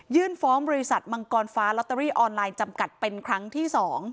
ฟ้องบริษัทมังกรฟ้าลอตเตอรี่ออนไลน์จำกัดเป็นครั้งที่๒